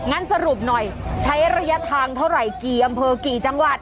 งั้นสรุปหน่อยใช้ระยะทางเท่าไหร่กี่อำเภอกี่จังหวัด